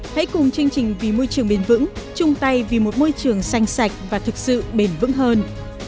hãy cùng chương trình vì môi trường bền vững chung tay vì một môi trường xanh sạch và thực sự bền vững hơn